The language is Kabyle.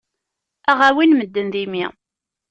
Ad aɣ-awin medden d imi.